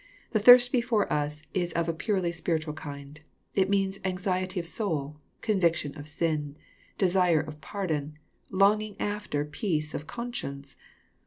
The thirst before us is of a purely spiritual kind. It means anxiety of soul, — conviction of sin, — desire of pardon, — longing after peace of conscience.